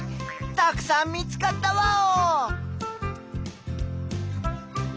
たくさん見つかったワオ！